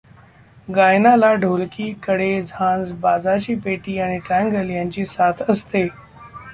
गायनाला ढोलकी, कडे, झांज, बाजाची पेटी आणि ट्रँगल यांची साथ असते.